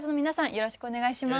よろしくお願いします。